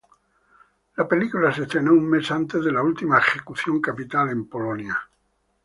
La película se estrenó un mes antes de la última ejecución capital en Polonia.